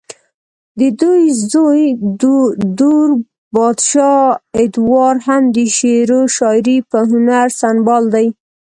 ددوي زوے دور بادشاه ادوار هم د شعرو شاعرۍ پۀ هنر سنبال دے